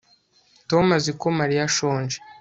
Tom azi ko Mariya ashonje